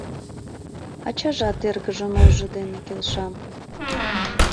Ачажат эргыжын ойжо дене келша.